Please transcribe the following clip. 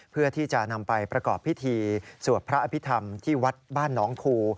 เพื่อที่จะนำไปประกอบพิธีสวดพระอภิษฐรรมที่วัดบ้านน้องคู